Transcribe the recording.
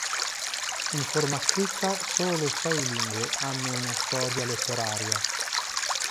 In forma scritta, solo sei lingue hanno una storia letteraria.